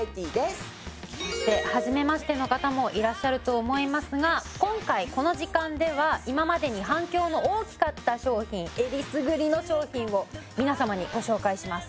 そしてはじめましての方もいらっしゃると思いますが今回この時間では今までに反響の大きかった商品えりすぐりの商品を皆様にご紹介します。